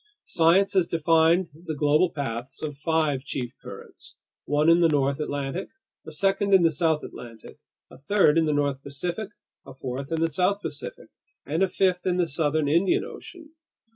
Science has defined the global paths of five chief currents: one in the north Atlantic, a second in the south Atlantic, a third in the north Pacific, a fourth in the south Pacific, and a fifth in the southern Indian Ocean.